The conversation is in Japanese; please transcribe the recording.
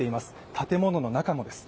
建物の中もです。